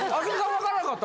わからなかった？